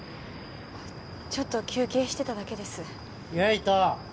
ちょっと休憩してただけです・唯斗